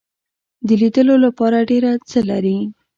د لیدلو لپاره ډیر څه لري.